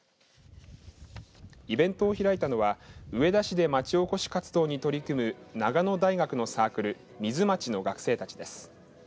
イベントを開いたのは上田市でまちおこし活動に取り組む長野大学のサークルＭＩＺＵＭＡＴＣＨの学生たちです。